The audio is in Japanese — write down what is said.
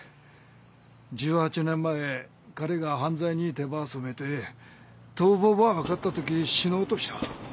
１８年前彼が犯罪に手ば染めて逃亡ば図ったとき死のうとした。